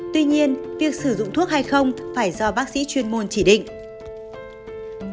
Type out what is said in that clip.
tuy nhiên việc sử dụng thuốc hay không phải do bác sĩ chuyên môn chỉ định